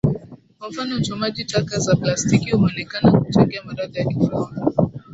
Kwa mfano uchomaji taka za plastiki umeonekana kuchangia maradhi ya kifua